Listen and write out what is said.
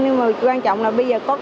nhưng mà quan trọng là bây giờ có cái